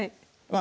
あ